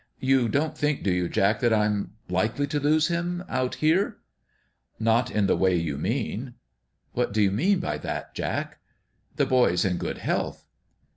You don't think, do you, Jack, that I'm likely to lose him, out here ?"" Not in the way you mean." " What do you mean by that, Jack ?"" The boy's in good health."